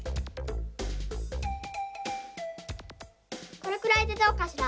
これくらいでどうかしら？